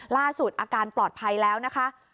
ล่าสุดอาการปลอดภัยแล้วนะคะ